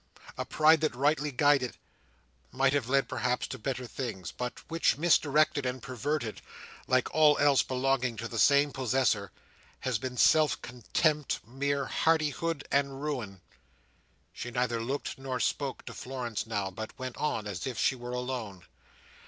a pride that, rightly guided, might have led perhaps to better things, but which, misdirected and perverted, like all else belonging to the same possessor, has been self contempt, mere hardihood and ruin." She neither looked nor spoke to Florence now, but went on as if she were alone.